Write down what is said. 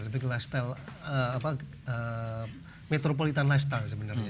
lebih ke lifestyle metropolitan lifestyle sebenarnya